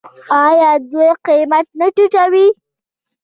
آیا دوی قیمت نه ټیټوي؟